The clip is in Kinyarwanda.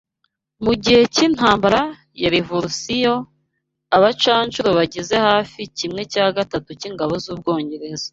Mugihe cyintambara ya Revorusiyo aba bacanshuro bagize hafi kimwe cya gatatu cyingabo zUbwongereza